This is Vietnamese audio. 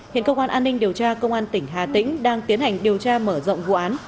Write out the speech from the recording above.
hiện cơ quan an ninh điều tra công an tỉnh hà tĩnh đang tiến hành điều tra mở rộng vụ án